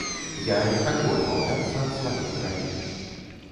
Я не хачу адмаўляцца ад сваёй краіны.